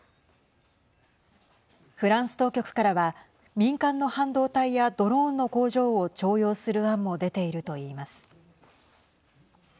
フランス当局からは民間の半導体やドローンの工場を徴用する案も出ているといいます。